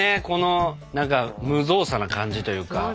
この無造作な感じというか。